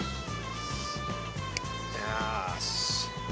よし。